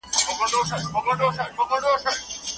ښځه په کورنۍ کي د عاطفي پیوستون تر ټولو کلکه کړۍ ده.